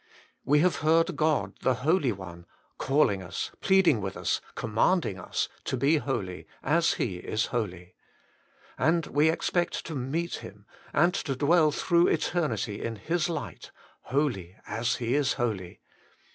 We have heard God, the Holy One, calling us, pleading with us, commanding us to be holy, as He is holy. And we expect to meet Him, and to dwell through eternity in His Light, holy as He is holy.